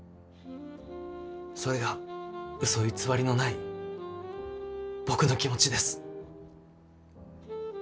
それがうそ偽りのない僕の気持ちです。